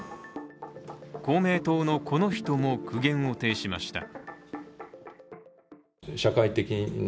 公明党の、この人も苦言を呈しました。